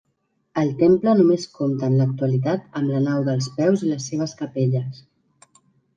El temple només compta en l'actualitat amb la nau dels peus i les seves capelles.